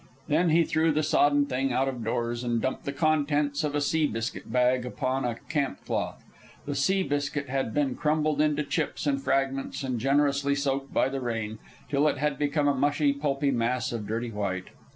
Then he threw the sodden thing out of doors and dumped the contents of a sea biscuit bag upon a camp cloth. The sea biscuit had been crumbled into chips and fragments and generously soaked by the rain till it had become a mushy, pulpy mass of dirty white.